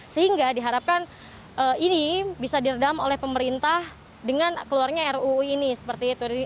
sehingga diharapkan ini bisa diredam oleh pemerintah dengan keluarnya ruu ini seperti itu